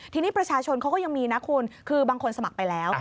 ทีนี้ประชาชนเขาก็ยังมีนะคุณคือบางคนสมัครไปแล้ว